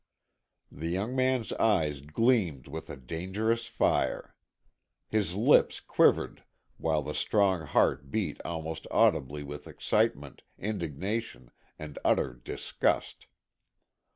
The young man's eyes gleamed with a dangerous fire. His lips quivered while the strong heart beat almost audibly with excitement, indignation and utter disgust.